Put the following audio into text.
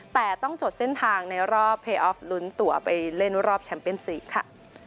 แต่ต้องจดเส้นทางในรอบลุ้นตั๋วไปเล่นรอบแชมเปญสีค่ะ